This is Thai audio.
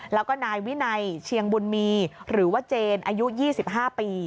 แล้วก็นายวินัยเชียงบุญมีหรือว่าเจนอายุ๒๕ปี